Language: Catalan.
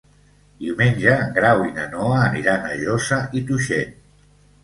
Diumenge en Grau i na Noa aniran a Josa i Tuixén.